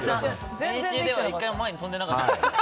練習では１回も前に飛んでなかった。